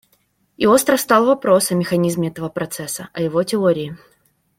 И остро встал вопрос о механизме этого процесса, о его теории.